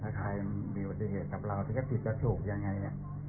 ถ้าใครมีปฏิเสธกับเราถ้าผิดก็ถูกอย่างไรเนี่ย